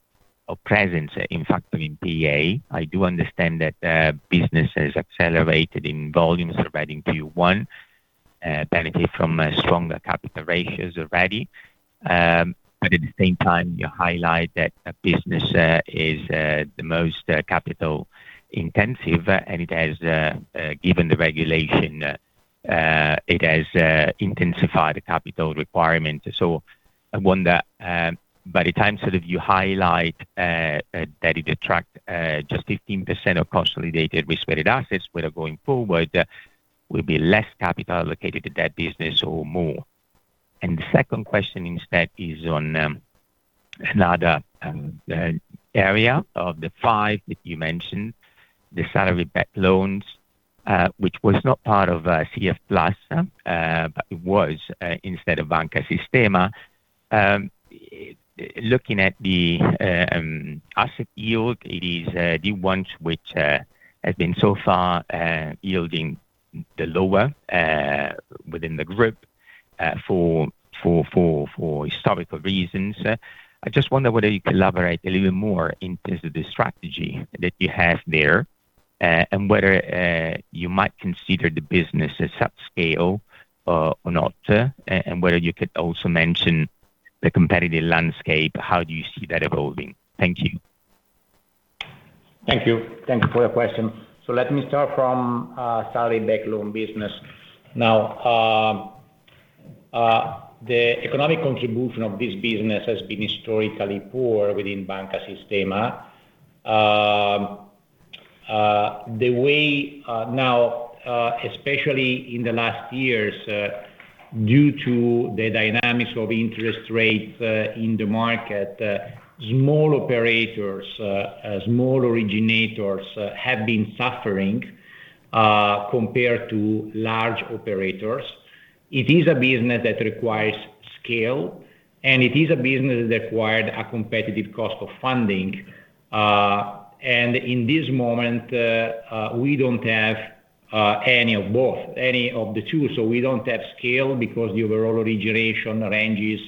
of presence in PA Factoring. I do understand that business has accelerated in volumes already in Q1, benefit from stronger capital ratios already. At the same time, you highlight that business is the most capital intensive, and it has, given the regulation, it has intensified the capital requirement. I wonder, by the time sort of you highlight that it attract just 15% of consolidated risk-weighted assets, whether going forward, will be less capital allocated to that business or more. The second question instead is on another area of the five that you mentioned, the salary-backed loans, which was not part of CF+, but it was instead of Banca Sistema. Looking at the asset yield, it is the ones which has been so far yielding the lower within the group for historical reasons. I just wonder whether you elaborate a little more in terms of the strategy that you have there, and whether you might consider the business as sub-scale or not, and whether you could also mention the competitive landscape, how do you see that evolving? Thank you. Thank you. Thank you for your question. Let me start from salary-backed loan business. Now, the economic contribution of this business has been historically poor within Banca Sistema. The way, now, especially in the last years, due to the dynamics of interest rates, in the market, small operators, small originators, have been suffering compared to large operators. It is a business that requires scale, and it is a business that required a competitive cost of funding. In this moment, we don't have any of both, any of the two. We don't have scale because the overall origination ranges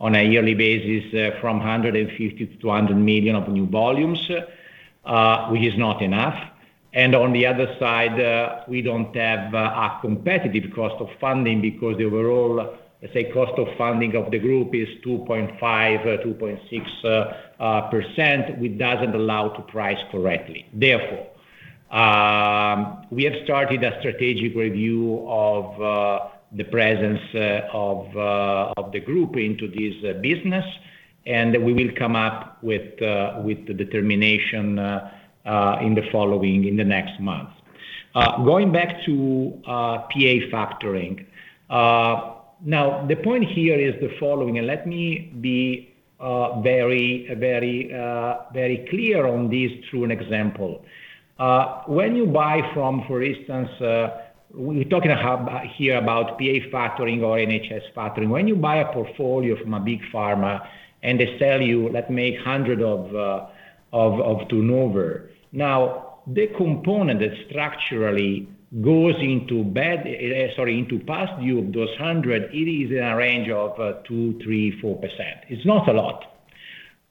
on a yearly basis from 150 million-200 million of new volumes, which is not enough. On the other side, we don't have a competitive cost of funding because the overall, let's say, cost of funding of the group is 2.5%, 2.6%, which doesn't allow to price correctly. Therefore, we have started a strategic review of the presence of the group into this business, and we will come up with the determination in the following in the next month. Going back to PA Factoring. Now the point here is the following, and let me be very clear on this through an example. When you buy from, for instance, we're talking here about PA Factoring or ASL factoring. When you buy a portfolio from a big pharma and they sell you, let's make 100 of turnover. The component that structurally goes into bad, sorry, into past due of those 100, it is in a range of 2%, 3%, 4%. It's not a lot.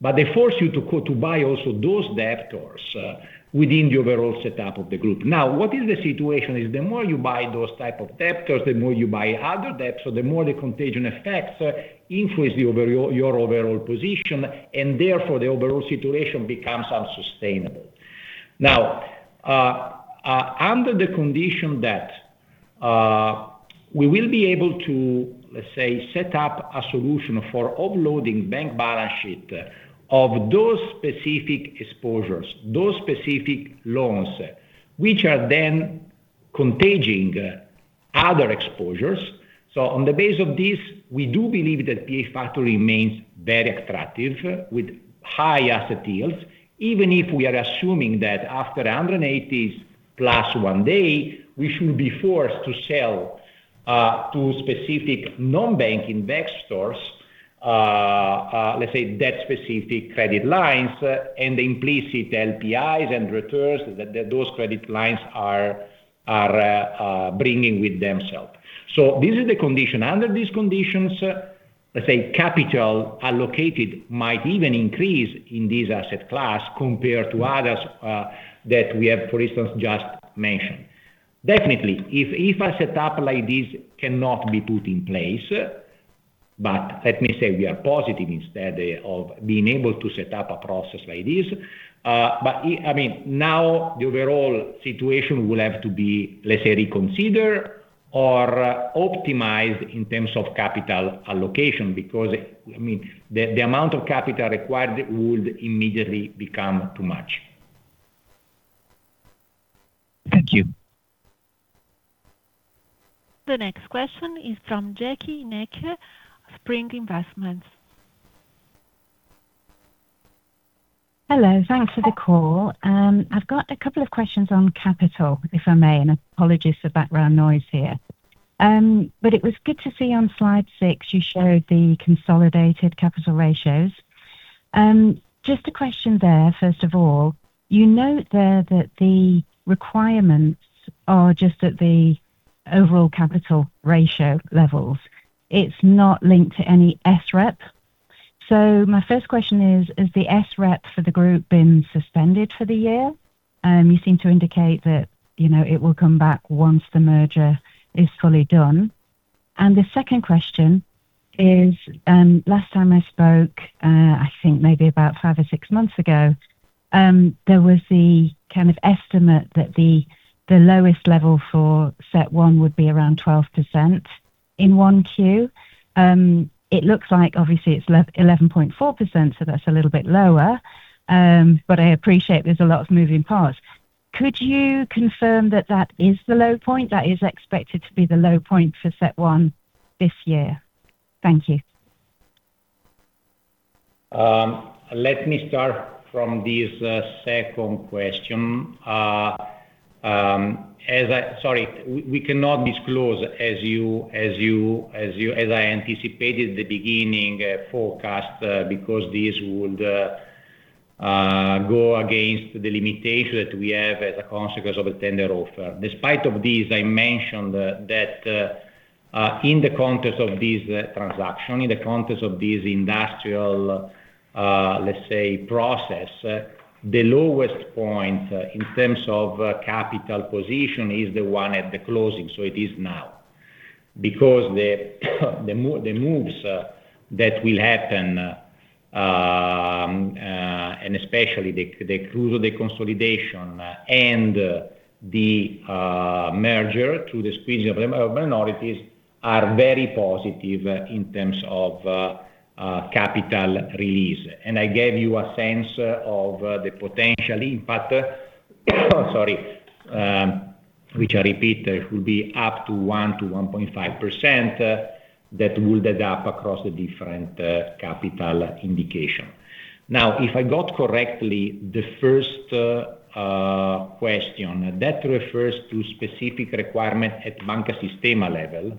They force you to buy also those debtors within the overall setup of the group. What is the situation is the more you buy those type of debtors, the more you buy other debts, the more the contagion effects increase the overall your overall position, the overall situation becomes unsustainable. Under the condition that we will be able to, let's say, set up a solution for offloading bank balance sheet of those specific exposures, those specific loans, which are then contaging other exposures. On the base of this, we do believe that PA Factoring remains very attractive with high asset yields, even if we are assuming that after 180+ one day, we should be forced to sell to specific non-bank investors, let's say, that specific credit lines, and the implicit LPIs and returns that those credit lines are bringing with themself. This is the condition. Under these conditions, let's say capital allocated might even increase in this asset class compared to others that we have, for instance, just mentioned. Definitely, if a setup like this cannot be put in place, but let me say we are positive instead of being able to set up a process like this. I mean, now the overall situation will have to be, let's say, reconsidered or optimized in terms of capital allocation, because, I mean, the amount of capital required would immediately become too much. Thank you. The next question is from Jackie Necker, Spring Investments. Hello. Thanks for the call. I've got a couple of questions on capital, if I may, and apologies for background noise here. It was good to see on slide six you showed the consolidated capital ratios. Just a question there, first of all. You note there that the requirements are just at the overall capital ratio levels. It's not linked to any SREP. My first question is, has the SREP for the group been suspended for the year? You seem to indicate that, you know, it will come back once the merger is fully done. The second question is, last time I spoke, I think maybe about five or six months ago, there was the kind of estimate that the lowest level for CET1 would be around 12% in 1Q. It looks like obviously it's 11.4%. That's a little bit lower. I appreciate there's a lot of moving parts. Could you confirm that that is the low point? That is expected to be the low point for CET1 this year. Thank you. Let me start from this second question. We cannot disclose, as you as I anticipated the beginning forecast, because this would go against the limitation that we have as a consequence of a tender offer. Despite of this, I mentioned that in the context of this transaction, in the context of this industrial, let's say, process, the lowest point in terms of capital position is the one at the closing, so it is now. Because the moves that will happen, and especially the Kruso Kapital consolidation and the merger through the squeezing of the minorities are very positive in terms of capital release. I gave you a sense of the potential impact, sorry, which I repeat it will be up to 1%-1.5%, that will add up across the different capital indication. If I got correctly, the first question, that refers to specific requirement at Banca Sistema level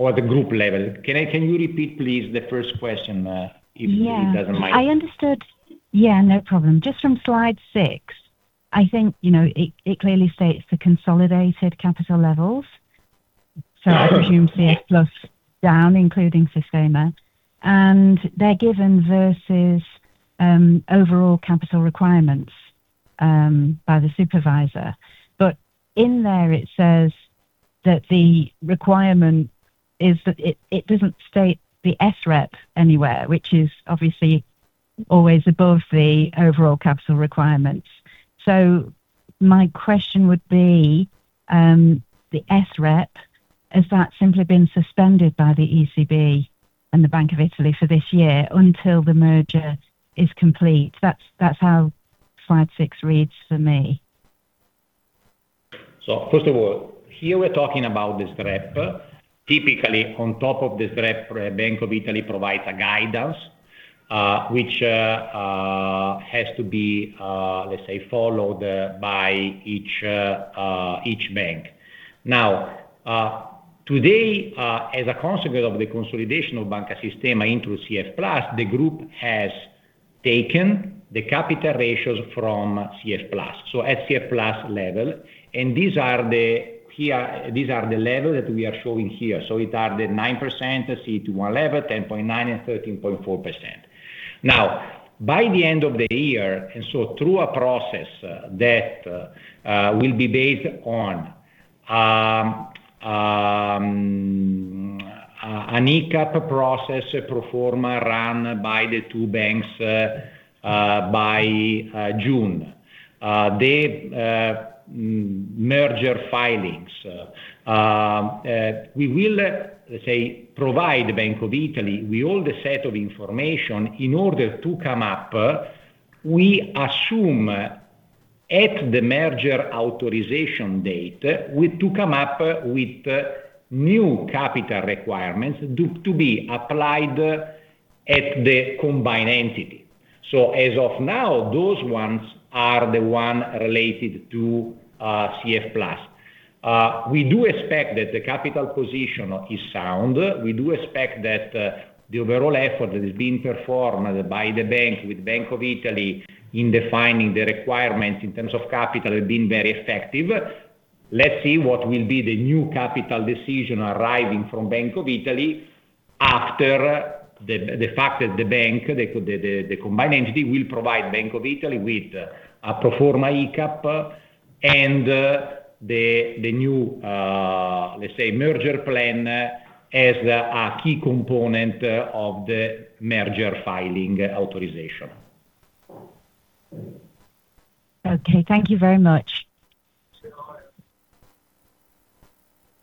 or the group level. Can I, can you repeat please the first question, if you don't mind? I understood. Yeah, no problem. Just from slide six, I think, you know, it clearly states the consolidated capital levels. I presume CF+ down, including Sistema, and they're given versus overall capital requirements by the supervisor. In there it says that the requirement is that it doesn't state the SREP anywhere, which is obviously always above the overall capital requirements. My question would be, the SREP, has that simply been suspended by the ECB and the Bank of Italy for this year until the merger is complete? That's how slide six reads for me. First of all, here we're talking about the SREP. Typically, on top of the SREP, Bank of Italy provides a guidance which has to be, let's say, followed by each bank. Today, as a consequence of the consolidation of Banca Sistema into CF+, the group has taken the capital ratios from CF+, so at CF+ level. These are the level that we are showing here. It are the 9% CET1 level, 10.9%, and 13.4%. By the end of the year, through a process that will be based on a ICAAP process pro forma ran by the two banks by June. We will, let's say, provide Bank of Italy with all the set of information in order to come up, we assume at the merger authorization date, with new capital requirements due to be applied at the combined entity. As of now, those ones are the one related to CF+. We do expect that the capital position is sound. We do expect that the overall effort that is being performed by the bank with Bank of Italy in defining the requirements in terms of capital have been very effective. Let's see what will be the new capital decision arriving from Bank of Italy after the fact that the combined entity will provide Bank of Italy with a pro forma ICAAP and the new, let's say, merger plan as a key component of the merger filing authorization. Okay. Thank you very much.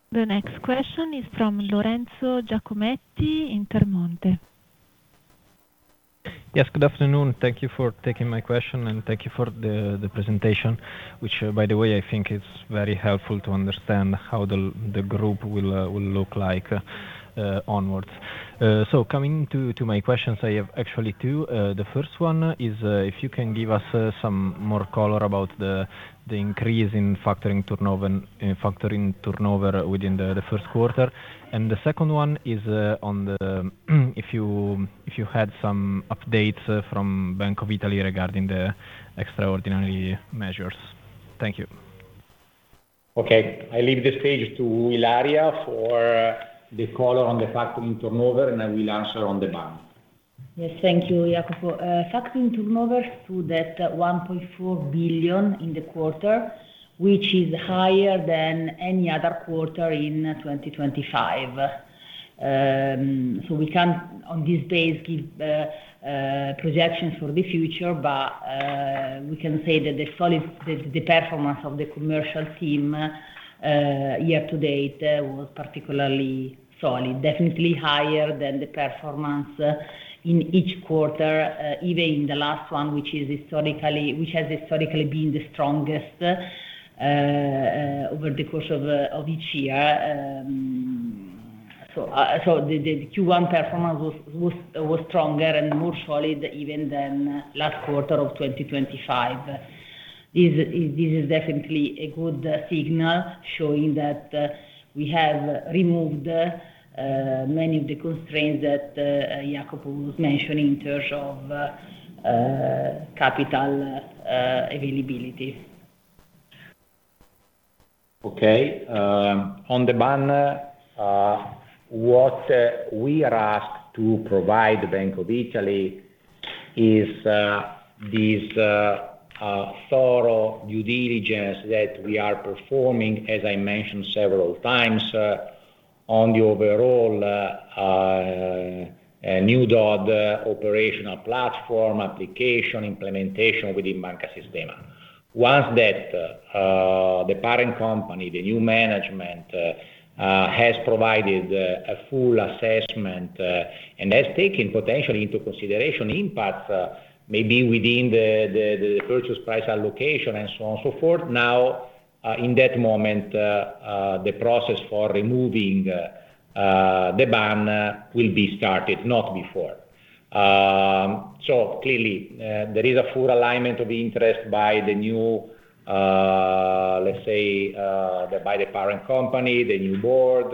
The next question is from Lorenzo Giacometti, Intermonte. Yes. Good afternoon. Thank you for taking my question, and thank you for the presentation, which by the way, I think is very helpful to understand how the group will look like onwards. Coming to my questions, I have actually two. The first one is if you can give us some more color about the increase in factoring turnover and factoring turnover within the first quarter. The second one is on the if you had some updates from Bank of Italy regarding the extraordinary measures. Thank you. Okay. I leave this page to Ilaria for the call on the factoring turnover, and I will answer on the ban. Yes, thank you Iacopo. Factoring turnover stood at 1.4 billion in the quarter, which is higher than any other quarter in 2025. We can't on this base give projections for the future, we can say that the solid performance of the commercial team year to date was particularly solid. Definitely higher than the performance in each quarter, even in the last one, which has historically been the strongest over the course of each year. The Q1 performance was stronger and more solid even than last quarter of 2025. This is definitely a good signal showing that we have removed many of the constraints that Iacopo was mentioning in terms of capital availability. Okay. On the ban, what we are asked to provide the Bank of Italy is this thorough due diligence that we are performing, as I mentioned several times, on the overall new DoD operational platform application implementation within Banca Sistema. Once that the parent company, the new management, has provided a full assessment and has taken potentially into consideration impacts, maybe within the purchase price allocation and so on and so forth. Now, in that moment, the process for removing the ban will be started, not before. Clearly, there is a full alignment of interest by the new, let's say, by the parent company, the new board,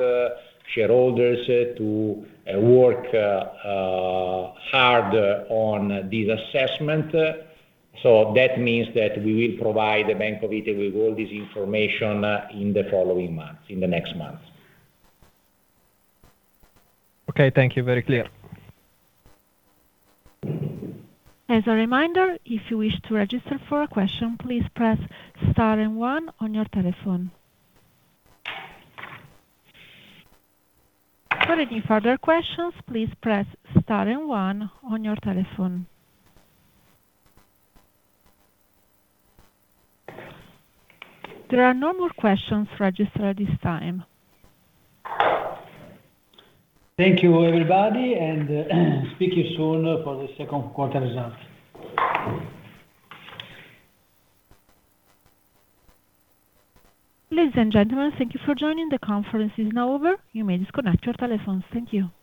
shareholders to work hard on this assessment. That means that we will provide the Bank of Italy with all this information in the following months, in the next months. Okay. Thank you. Very clear. As a reminder, if you wish to register for a question, please press star and one on your telephone. For any further questions, please press star and one on your telephone. There are no more questions registered at this time. Thank you, everybody, and speak you soon for the second quarter results. Ladies and gentlemen, thank you for joining. The conference is now over. You may disconnect your telephones. Thank you.